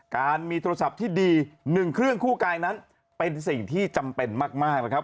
การมีโทรศัพท์ที่ดี๑เครื่องคู่กายนั้นเป็นสิ่งที่จำเป็นมากนะครับ